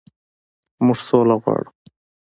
موږ سوله غواړو.